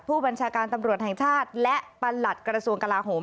ผู้บัญชาการตำรวจแห่งชาติและประหลัดกระทรวงกลาโหม